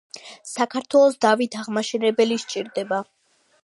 საქართველოს დავით აღმაშენებელი სჭირდება !!!!